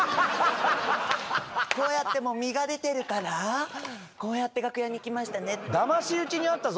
こうやってもう実が出てるからこうやって楽屋に行きましたね。